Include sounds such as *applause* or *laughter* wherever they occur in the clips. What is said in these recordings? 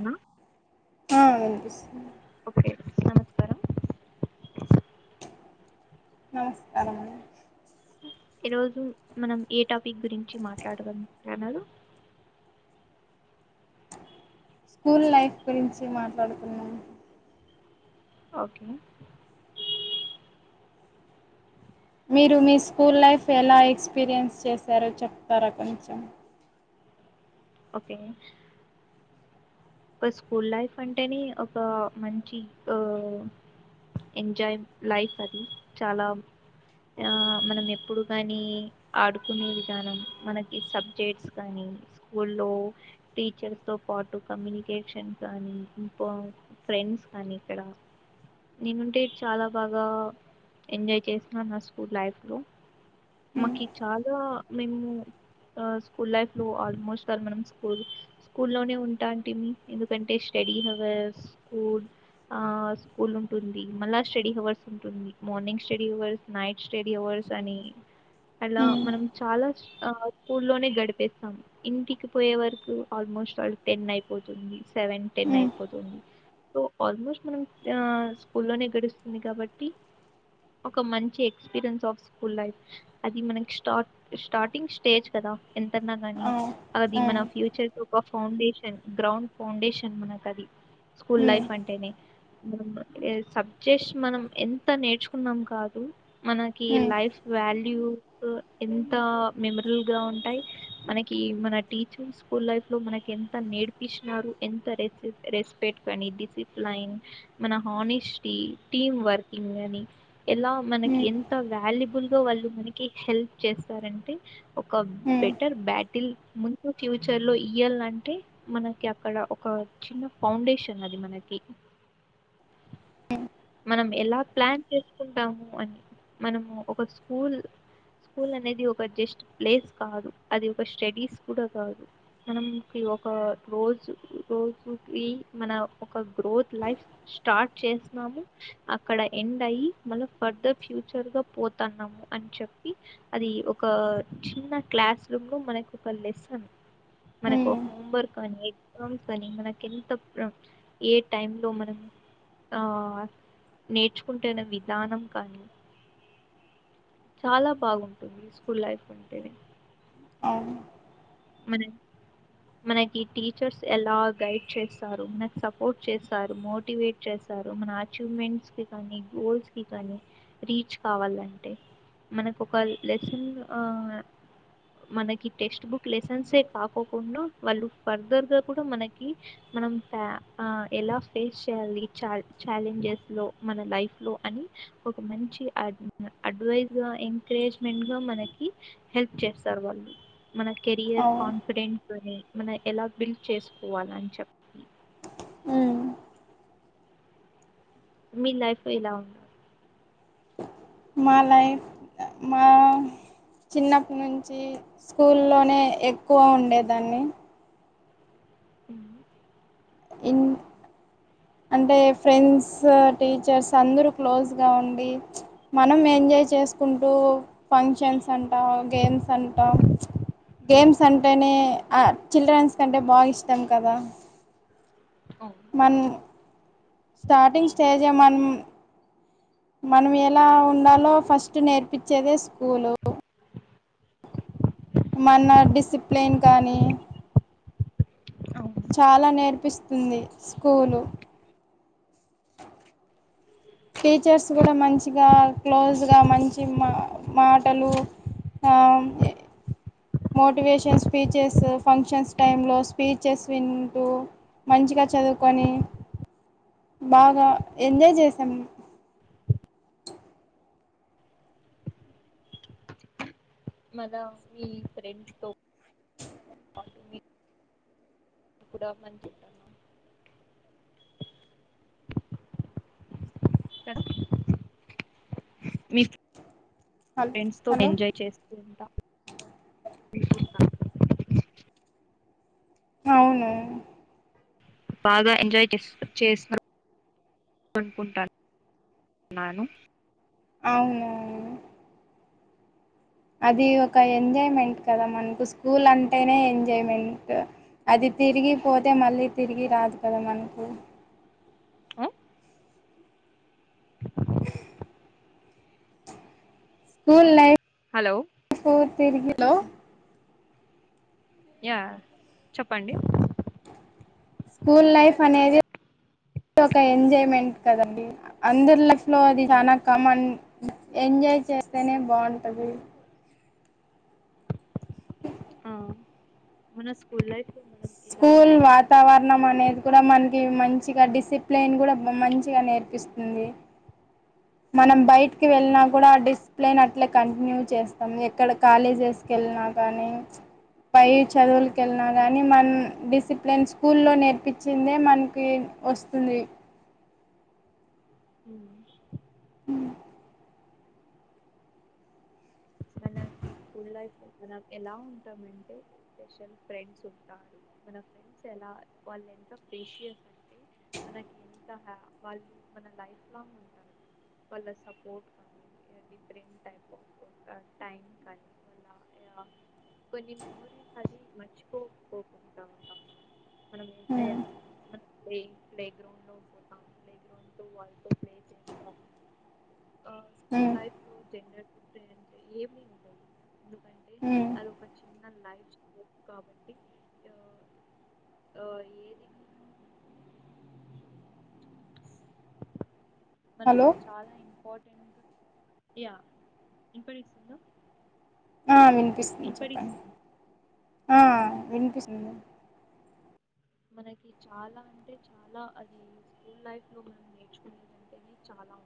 వున ఆ వినిపిస్తుంది ఓకే నమస్కారం నమస్కారం అండి ఈరోజు మనం ఏ టాపిక్ గురించి మాట్లాడదాం అన్నారు స్కూల్ లైఫ్ గురించి మాట్లాడుకుందాం ఓకే మీరు మీ స్కూల్ల ఓకే ఒక స్కూల్ లైఫ్ అంటేనే ఒక మంచి ఓ ఎంజాయ్ లైఫ్ అది చాలా మనం ఎప్పుడు కానీ ఆడుకునే విధానం మనకి సబ్జెక్ట్స్ కానీ స్కూల్లో టీచర్స్ తో పాటు కమ్యూనికేషన్ కానీ ఇంకా ఫ్రెండ్స్ కానీ ఇక్కడ నేనుంటే చాలా బాగా ఎంజాయ్ చేసినా స్కూల్ లైఫ్లో హ్మ్ మాకు చాలా మేము స్కూల్ లైఫ్లో ఆల్మోస్ట్ అ మనం స్కూల్ స్కూల్లోనే ఉంటా ఎందుకంటే స్టడీ హవర్స్ స్కూల్ ఆ స్కూల్ ఉంటుంది మళ్ళా స్టడీ హవర్స్ ఉంటుంది morning study hours night study hours అని అలా హ్మ్ మనం చాలా స్కూల్ లోనే గడిపేస్తాం ఇంటికి పోయే వరకు ఆల్మోస్ట్ టెన్ అయి పోతుంది సెవెన్ టెన్ హ్మ్ అయిపోతుంది సో ఆల్మోస్ట్ మనం స్కూల్లోనే గడుస్తుంది కాబట్టి ఒక మంచి ఎక్స్పీరియన్స్ ఆఫ్ స్కూల్ లైఫ్ అది మనకి స్టార్ట్ స్టార్టింగ్ స్టేజ్ కదా ఎంతన్నా గాని ఆ అది ఆ మన ఫ్యూచర్ కు ఒక ఫౌండేషన్ గ్రౌండ్ ఫౌండేషన్ మనకు అది స్కూల్ హ్మ్ లైఫ్ అంటేనే మనం సబ్జెక్ట్స్ మనం ఎంత నేర్చుకున్నాం కాదు మనకి హ్మ్ లైఫ్ వాల్యూ ఎంత మెమరల్ గా ఉంటాయి మనకి మన టీచర్ స్కూల్ లైఫ్ లో మనకి ఎంత నేర్పు ఇస్తున్నారు ఎంత రెస్ రెస్పెక్ట్ అని డిసిప్లైన్ మన హానెస్టీ టీమ్ వర్కింగ్ అని ఎలా మనకి హ్మ్ ఎంత వాల్యూబ్ వాళ్ళు మనకి హెల్ప్ చేస్తారంటే ఒక హ్మ్ బెటర్ బ్యాట్ టిల్ ముందు ఫ్యూచర్ లో ఇయ్యాలంటే మనకి అక్కడ ఒక చిన్న ఫౌండేషన్ అది మనకి మనం ఎలా ప్లాన్ చేసుకుంటాము అని మనము ఒక స్కూల్ స్కూల్ అనేది ఒక జస్ట్ ప్లేస్ కాదు అది ఒక స్టడీస్ కూడా కాదు మనంకి ఒక రోజు రోజుకి మన ఒక గ్రోత్ లైఫ్ స్టార్ట్ చేస్తున్నాము. అక్కడ ఎండ్ అయి మళ్ళా ఫర్దర్ ఫ్యూచర్గా పోతున్నాము అని చెప్పి అది ఒక చిన్న క్లాస్ రూమ్ లో మనకు ఒక లెసన్ మనకు హ్మ్ హోమ్ వర్క్ మనం ఎగ్జామ్స్ కానీ మనకి ఎంత ఏ టైంలో మనం ఆ నేర్చుకుంటున్న విధానం కానీ చాలా బాగుంటుంది స్కూల్ లైఫ్ అంటేనే అవును మనం మనకి టీచర్స్ ఎలా గైడ్ చేస్తారు, మనకు సపోర్ట్ చేస్తారు, మోటివేట్ చేస్తారు, మన అచీవ్మెంట్స్ కి కానీ గోల్స్ కి కానీ రీచ్ కావాలంటే మనకు ఒక లెసన్ మనకి టెక్స్ట్ బుక్ లెసన్సే కాకోకుండా వాళ్ళు ఫర్దర్గా కూడా మనకి మనం ఎలా ఫేస్ చేయాలి చల్ ఛాలెంజెస్లో మన లైఫ్లో అని ఒక మంచి అడ్వైస్గా ఎంకరేజ్మెంట్గా మనకి హెల్ప్ చేస్తారు వాళ్ళు మన కెరియర్ అవును కాన్ఫిడెన్ట్ ని మన ఎలా బిల్డ్ చేసుకోవాల అని చెప్తుం హ్మ్ మీ లైఫ్ ఇలా ఉన్నారు మా లైఫ్ మా చిన్నప్ప నుంచి స్కూల్లోనే ఎక్కువ ఉండేదాన్ని మ్మ్ ఇన్ అంటే ఫ్రెండ్స్ టీచర్స్ అందరూ క్లోజ్గా ఉండి మనం ఎంజాయ్ చేసుకుంటూ ఫంక్షన్స్ అంటా గేమ్స్ అంటా గేమ్స్ అంటేనే చిల్డ్రన్స్ కంటే బాగా ఇష్టాం కదా. అవును మన స్టార్టింగ్ స్టేజే మనం మనం ఎలా ఉండాలో ఫస్ట్ నేర్పించేదే స్కూలు మన డిసిప్లేన్ కానీ అవును చాలా నేర్పిస్తుంది స్కూలు టీచర్స్ కూడా మంచిగా క్లోజ్గా మంచి మా మాటలు మోటివేషన్ స్పీచెస్ ఫంక్షన్స్ టైం లో స్పీచెస్ వింటూ మంచిగా చదువుకొని బాగా ఎంజాయ్ చేసాము మద మీ ఫ్రెండ్స్ తో *inaudible* అప్పు మని చెప్పాను ఎక్కడ మీ ఫ్రెండ్స్ తో హలో ఎంజాయ్ చేస్తూ ఉంటా *inaudible* అవును బాగా ఎంజాయ్ *inaudible* చేశారు *unintelligible* అనుకుంటానున్నాను అవును అది ఒక ఎంజాయ్మెంట్ కదా మనకు స్కూల్ అంటేనే ఎంజాయ్మెంట్ అది తిరిగి పోతే మళ్ళీ తిరిగి రాదు కదా మనకు ఆ *inaudible* స్కూల్ లైఫ్ హలో తిరిగి హలో యా చెప్పండి స్కూల్ లైఫ్ అనేది *inaudible* ఒక ఎంజాయ్మెంట్ కదండి అందరిలో *inaudible* లో అది చానా కామన్ ఎంజాయ్ చేస్తేనే బాగుంటుంది ఆ మన స్కూల్ లైఫ్ లో మనం ఎలా స్కూల్ టైం వాతావరణం అనేది కూడా మనకి మంచి మంచిగా డిసిప్లైన్ కూడా మంచిగా నేర్పిస్తుంది మనం బయటకిి వెళ్ళినా కూడా ఆ డిస్ప్లేన్ అట్లే అట్లే కంటిన్యూ చేస్తాం ఎక్కడ కాలేజెస్ కి వెళ్ళినా కానీ పై చదువులు వెళ్ళినా కానీ మన్ డిసిప్లిన్ స్కూల్లో నేర్పించిందే మనకి వస్తుంది మ్మ్ మ్మ్ మనకి స్కూల్ లైఫ్ మన ఎలా ఉంటామంటే స్పెషల్ ఫ్రెండ్స్ ఉంటారు మన ఫ్రెండ్స్ ఎలా వాళ్ళు ఎంత పేషియస్ అంటే మనకి ఎంత వాళ్ళు మన లైఫ్ లాంగ్ ఉంటారు వాళ్ళ సపోర్ట్ కానీ డిఫరెంట్ టైప్ ఆఫ్ టైమ్ కానీ వాళ్ళ కొన్ని మెమోరీస్ కానీ మర్చిపోపోకుంట ఉంటాం మనం మనం ఏ ఉమ్, మన ప్లే ప్లే గ్రౌండ్లో పోతాం ప్లే గ్రౌండ్తో వాళ్ళతో ప్లే చేస్తాము స్కూల్ ఉమ్, లైఫ్లో జెండర్ డిఫరెన్స్ ఏమీ ఉండదు ఎందుకంటే ఉమ్. అది ఒక చిన్న లైఫ్ స్టైల్ కాబట్టి ఏది మనకి హలో చాలా ఇ ఇంపార్టెంట్ యా ఎపుడు ఇస్తున్నావ్ ఆ వినిపిస్తుంది చెప్పండి ఆ వినిపిస్తుంది మనకి చాలా అంటే చాలా అది స్కూల్ లైఫ్ లో మనం నేర్చుకునేదింటేనే చాలా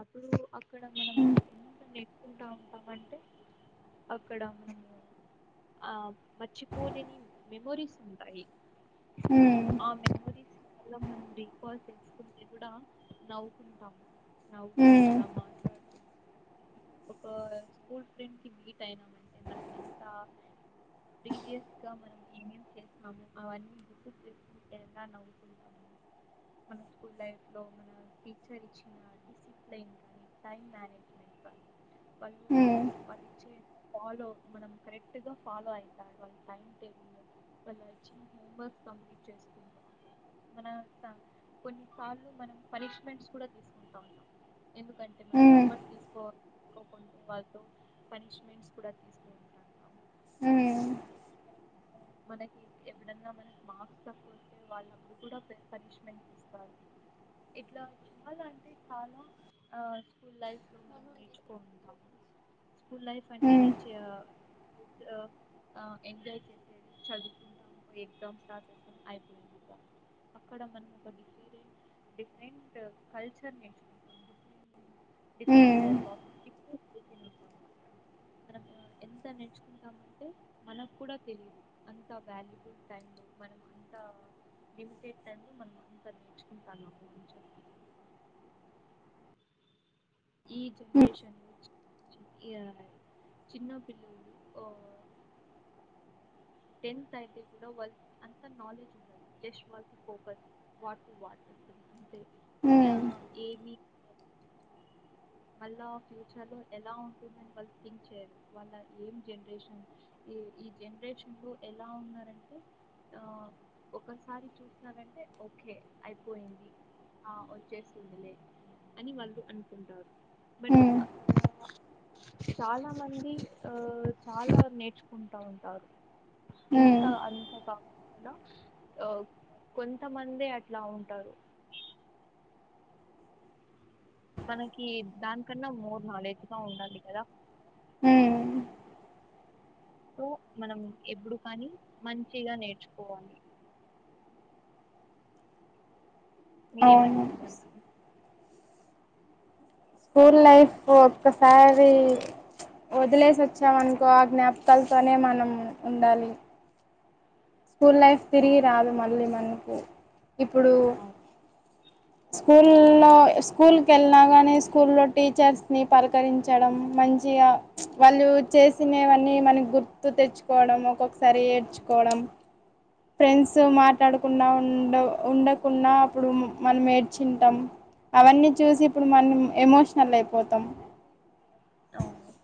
అప్పుడు అక్కడ మనము ఉమ్, ఎంత నేర్చుకుంటా ఉంటామంటే అక్కడ మనము ఆ మర్చిపోలేని మెమరీస్ ఉంటాయి ఉమ్, ఆ మెమోరీస్ మనం రీకాల్ చేసుకుంటే కూడా నవ్వుకుంటాము ఉమ్, నవ్వుకుంటా మా ఒక స్కూల్ ఫ్రెండ్ కి మీట్ అయినామంటే మనం ఎంత ప్రీవియస్ గా మనం ఏమేం చేస్తాము అవన్నీ గుర్తు చేసుకుంటే ఎలా నవ్వుకుంటాము మన స్కూల్ లైఫ్లో మన టీచర్ ఇచ్చిన డిసిప్లిన్ కానీ టైం మేనేజ్మెంట్ కానీ వాళ్ళు ఉమ్, వాళ్ళు ఇచ్చే ఫాలో మనం కరెక్ట్గా ఫాలో అవుతారు వాళ్ళ టైం టేబుల్లో వాళ్ళ హోమ్వర్క్స్ కంప్లీట్ చేసుకుంటాం మన కొన్నిసార్లు మనం పనిష్మెంట్స్ కూడా తీసుకుంటూ ఉంటాం ఎందుకంటే మనం ఉమ్, హోంవర్క్ తీసుకోవాలి కోకుంటూ వాళ్ళతో పనిష్మెంట్స్ కూడా తీసుకుంటుంటాం ఉమ్, మనకి ఎప్పుడన్నా మనకు మార్క్స్ తక్కువ వస్తే వాళ్ళు అప్పుడు కూడా పనిష్మెంట్ ఇస్తారు ఇట్లా చాలా అంటే చాలా ఆ స్కూల్ లైఫ్లో మనం నేర్చుకుంటాము స్కూల్ లైఫ్ అంటేనే ఉమ్, చ ఆ ఎజా చే చదువుకు ఎగ్జామ్ స్టార్ట్ చేస్తాం అయిపోయింది ఇక అక్కడ మనం ఒక డిఫరెంట్ డిఫరెంట్ కల్చర్ నేర్చుకుంటాం different different um, type of ఉంటాం అక్కడ మనం ఎంత నేర్చుకుంటామ అంటే మనకు కూడా తెలిదు అంత వాల్యుబుల్ టై లో మనం అంత లిమిటెడ్ టై లో మనం అంత నేర్చుకుంటాన్నాము అని చెప్పి ఈ జెనరేషన్ ను చిన్న పిల్లులు టెన్త్ అయితే కూడా వా అంత నాలెడ్జ్ ఉది జష్ వా ఫోకస్ వాట్ట్రే ఆ ఉమ్, ఏది వాళ్ళ ఫ్యూచర్ లో ఎలా ఉంటుందని వాళ్ళు థింక్ చేయరు వాళ్ళ ఏం జనరేషన్ ఈ జనరేషన్ లో ఎలా ఉన్నారంటే ఆ ఒకసారి చూసినారంటే ఓకే అయిపోయింది ఆ వచ్చేస్తుందిలే అని వాళ్ళు అనుకుంటారు బట్ ఉమ్. అక్కడ చాలా మంది ఆ చాలా నేర్చుకుంటా ఉంటారు ఇంత ఉమ్ అంత కా ఆ కొంతమంది అట్లా ఉంటారు మనకి దానికన్నా మోడు నాలెడ్జ్గా ఉండాలి కదా హ సో మనం ఎప్పుడు కానీ మంచిగా నేర్చుకోవాలి అవును మీరేమనికుంటన్నారు స్కూల్ లైఫ్ ఒక్కసారి వదిలేసి వచ్చామనుకో ఆ జ్ఞాపకాలతోనే మనం ఉండాలి స్కూల్ లైఫ్ తిరిగి అవును రాదు మళ్ళీ మన ఇప్పుడు అవును స్కూల్లో స్కూల్కెళ్ళినా కానీ స్కూల్లో టీచర్స్ ని పలకరించడం మంచిగా వాళ్ళు చేసినవన్నీ మనకి గుర్తు తెచ్చుకోవడం ఒక్కొక్కసారి ఏడ్చుకోవడం ఫ్రెండ్స్ మాట్లాడకుండా ఉండ ఉండకున్నా అప్పుడు మనం ఏడ్చింటాం అవన్నీ చూసి ఇప్పుడు మనం ఎమోషనల్ అయిపోతాం అవును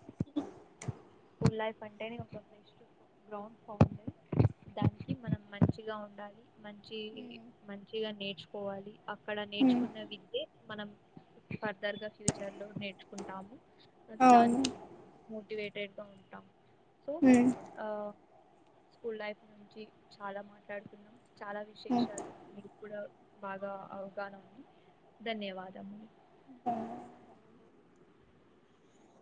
స్కూల్ లైఫ్ అంటేనే ఒక బెస్ట్ గ్రౌండ్ ఫౌండయ్ దానికి మనం మంచిగా ఉండాలి మంచి మంచిగా నేర్చుకోవాలి అక్కడ నేర్చుకున్న విద్యే మనం ఫర్దర్ గా ఫ్యూచర్ లో నేర్చుకుంటాము దానికి మోటివేటెడ్ తో ఉంటాం సో అవును ఆ స్కూల్ లైఫ్ నుంచి చాలా మాట్లాడుతున్నాం చాలా విశేషాలు మీకు కూడా బాగా అవగాహన ఉంది ధన్యవాదములు